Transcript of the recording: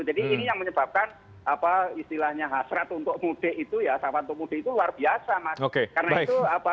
jadi ini yang menyebabkan istilahnya hasrat untuk mudik itu ya sahabat pemudik itu luar biasa